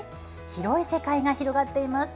広い世界が広がっています！